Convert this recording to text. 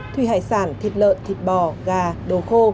thủy hải sản thịt lợn thịt bò gà đồ khô